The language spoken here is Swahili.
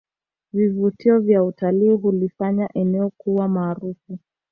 Vivutio vya utalii hulifanya eneo kuwa maarufu